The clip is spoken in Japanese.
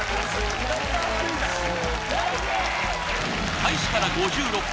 開始から５６分